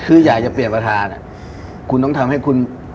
คืออยากจะเปลี่ยนประธานคุณต้องทำให้คุณ